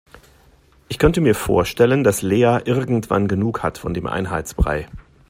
Ich könnte mir vorstellen, dass Lea irgendwann genug hat von dem Einheitsbrei.